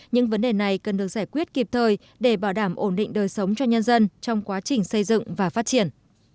những vấn đề này cần được giải quyết kịp thời để bảo đảm ổn định đời sống cho nhân dân trong quá trình xây dựng và phát triển